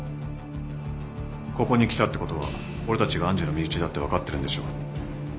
ここに来たってことは俺たちが愛珠の身内だって分かってるんでしょう？